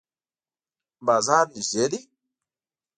بازار نږدې دی؟